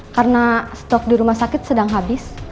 karena stok di rumah sakit sedang habis